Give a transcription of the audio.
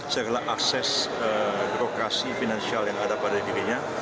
segala akses birokrasi finansial yang ada pada dirinya